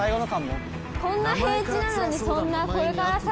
こんな平地なのにそんな。